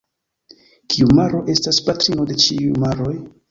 Kiu maro estas patrino de ĉiuj maroj?